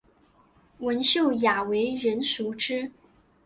文秀雅为人熟知。